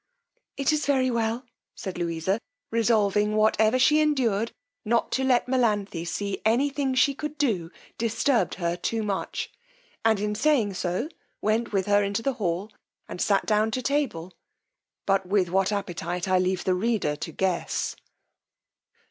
It is very well, said Louisa, resolving, whatever she endured, not to let Melanthe see any thing she could do disturbed her too much, and in saying so, went with her into the hall and sat down to table, but with what appetite I leave the reader to guess.